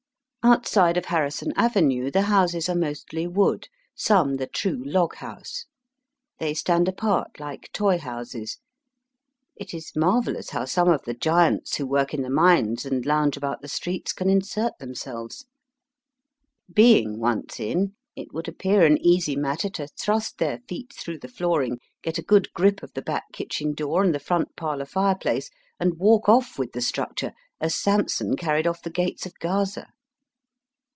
Outside of Harrison Avenue the houses are mostly wood, some the true log house. They stand apart like toy houses. It is marvellous Digitized by VjOOQIC A MINING CAMP IN THE ROCKY MOUNTAINS. 81 how some of the giants who work in the mines and lounge about the streets can insert them selves. Being once in, it would appear an easy matter to thrust their feet through the flooring, get a good grip of the back kitchen door and the front parlour fireplace, and walk off with the structure, as Samson carried off the gates of Ga5:a.